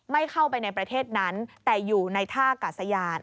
ไม่เข้าไปในประเทศนั้นแต่อยู่ในท่ากาศยาน